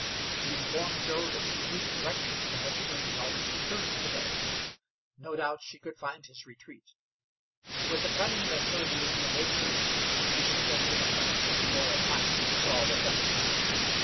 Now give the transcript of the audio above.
She informed Joe that she knew the direction from which Girty always returned to the village. No doubt she could find his retreat. With a cunning that showed her Indian nature, she suggested a plan which Joe at once saw was excellent.